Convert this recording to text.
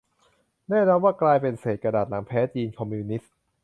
แน่นอนว่ากลายเป็นเศษกระดาษหลังแพ้จีนคอมมิวนิสต์